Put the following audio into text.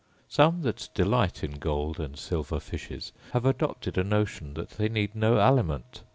Some that delight in gold and silver fishes have adopted a notion that they need no aliment.